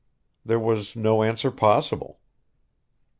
There was no answer possible.